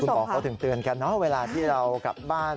คุณบอกเขาถึงเตือนแค่เวลาที่เรากลับบ้าน